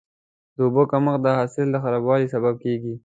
د اوبو کمښت د حاصل د خرابوالي سبب کېږي.